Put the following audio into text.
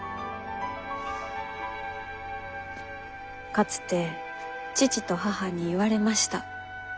かつて父と母に言われました。